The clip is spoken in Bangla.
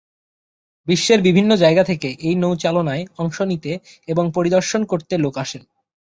বিশ্বের বিভিন্ন জায়গা থেকে এই নৌচালনায় অংশ নিতে এবং পরিদর্শন করতে লোকজন আসেন।